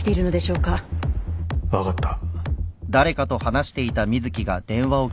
分かった。